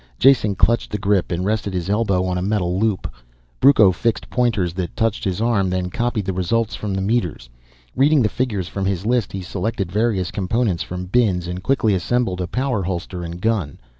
Jason clutched the grip and rested his elbow on a metal loop. Brucco fixed pointers that touched his arm, then copied the results from the meters. Reading the figures from his list he selected various components from bins and quickly assembled a power holster and gun.